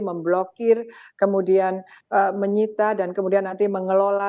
memblokir kemudian menyita dan kemudian nanti mengelola